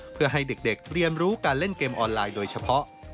เพื่อให้เด็กเรียนรู้การเล่นเกมออนไลน์โดยเฉพาะ